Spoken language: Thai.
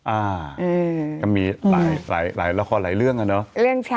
อ่าก็มีหลายละครหลายเรื่องอะเนาะ